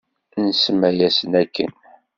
Nsemma-yasen akken.